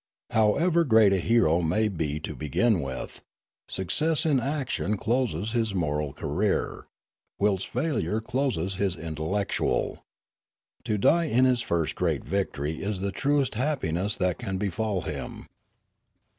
However great a hero may be to begin with, success in action closes his moral career, whilst failure closes his intellectual. To die in his first great victory is the truest happiness that can befall him.